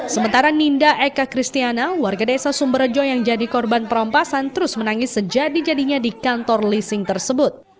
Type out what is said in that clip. sementara ninda eka kristiana warga desa sumberjo yang jadi korban perampasan terus menangis sejadi jadinya di kantor leasing tersebut